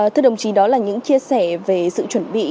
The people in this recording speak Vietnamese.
thưa đồng chí đó là những chia sẻ về sự chuẩn bị